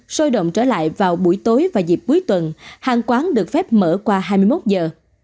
sôi động trở lại vào buổi tối và dịp cuối tuần hàng quán được phép mở qua hai mươi một giờ